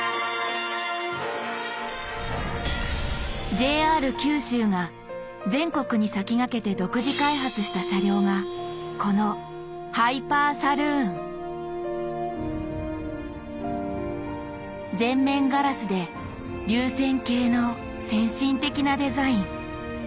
ＪＲ九州が全国に先駆けて独自開発した車両がこの前面ガラスで流線型の先進的なデザイン。